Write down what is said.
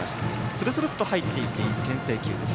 するするっと入っていってけん制球です。